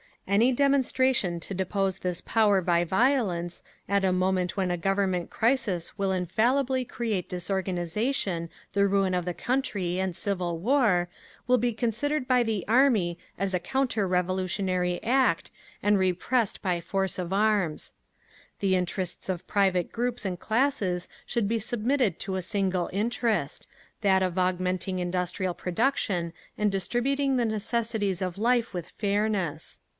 "Any demonstration to depose this power by violence, at a moment when a Government crisis will infallibly create disorganisation, the ruin of the country, and civil war, will be considered by the Army as a counter revolutionary act, and repressed by force of arms…. "The interests of private groups and classes should be submitted to a single interest—that of augmenting industrial production, and distributing the necessities of life with fairness….